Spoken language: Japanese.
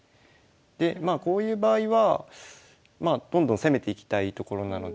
でまあこういう場合はどんどん攻めていきたいところなので。